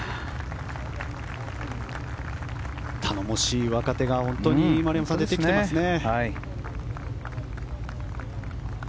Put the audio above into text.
頼もしい若手が丸山さん、出てきていますね。